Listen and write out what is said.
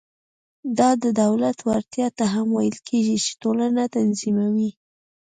دا د دولت وړتیا ته هم ویل کېږي چې ټولنه تنظیموي.